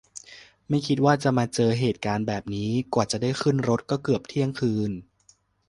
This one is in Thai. ไม่คิดว่าจะมาเจอเหตุการณ์แบบนี้ กว่าจะได้ขึ้นรถก็เกือบเที่ยงคืน